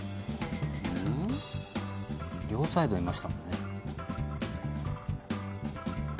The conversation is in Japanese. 両サイドいましたもんね。